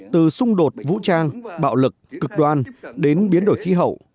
từ xung đột vũ trang bạo lực cực đoan đến biến đổi khí hậu